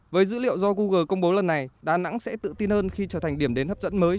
với dữ liệu do google công bố lần này đà nẵng sẽ tự tin hơn khi trở thành điểm đến hấp dẫn mới